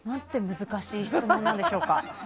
難しい質問でしょうか。